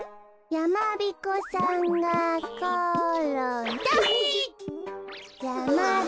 やまびこさんがころんだ！